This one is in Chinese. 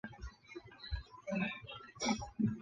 古希腊悲剧诗人之一。